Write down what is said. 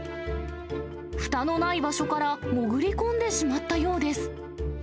ふたのない場所から潜り込んでしまったようです。